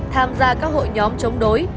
tham gia các hội nhóm chống đối